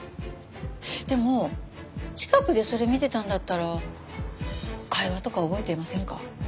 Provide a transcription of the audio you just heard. でも近くでそれ見てたんだったら会話とか覚えていませんか？